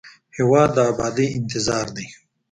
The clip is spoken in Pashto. هېواد د ابادۍ انتظار دی.